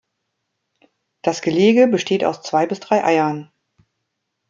Das Gelege besteht aus zwei bis drei Eiern.